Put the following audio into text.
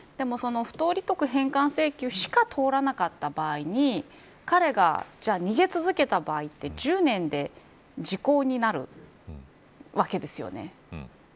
でもその不当利得返還請求しか通らなかった場合に彼が逃げ続けた場合って１０年で時効になるわけですよね。